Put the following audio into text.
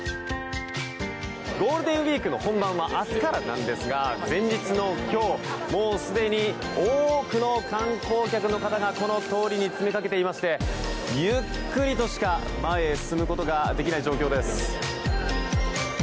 ゴールデンウィークの本番は明日からなんですが前日の今日、もうすでに多くの観光客の方がこの通りに詰めかけていましてゆっくりとしか前へ進むことができない状況です。